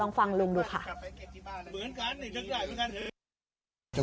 ลองฟังลุงดูค่ะ